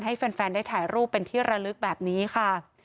ให้แฟนได้ถ่ายรูปเป็นที่ระลึกแบบนี้ค่ะ